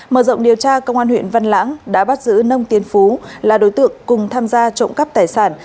mở rộng điều tra công an huyện văn lãng đã bắt giữ nông tiến phú là đối tượng cùng tham gia trộm cắp tài sản